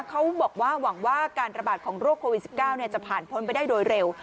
เขาบอกว่าหวังว่าการระบาดของโรคโควิด๑๙จะผ่านพ้นไปได้โดยเร็ว